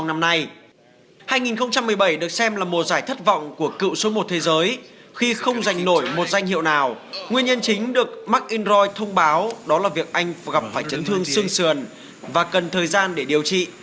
nguyên nhân chính được mcelroy thông báo đó là việc anh gặp phải chấn thương xương sườn và cần thời gian để điều trị